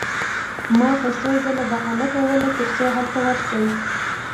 ما به څو ځله بهانه کوله ترڅو هلته ورشم